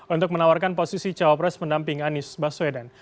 untuk menawarkan posisi jawab res pendamping anis baswedan